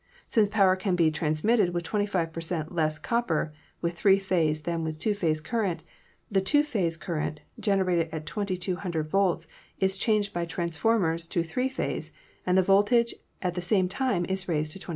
Since power can be transmitted with 25 per cent, less copper with three phase than with two phase current, the two phase current, generated at 2,200 volts, is changed by transformers to three phase and the voltage at the same time is raised to 22,000.